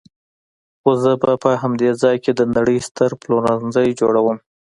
خو زه به په همدې ځای کې د نړۍ ستر پلورنځی جوړوم.